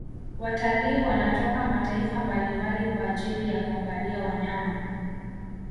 Watalii wanatoka mataifa mbalimbali kwa ajili ya kuangalia wanyama